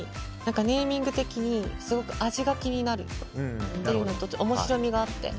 ネーミング的にすごく味が気になるというのと面白みがあって。